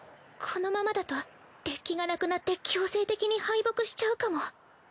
このままだとデッキがなくなって強制的に敗北しちゃうかも